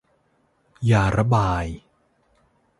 ยาระบาย